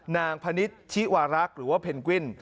พนิษฐชิวารักษ์หรือว่าเพนกวิน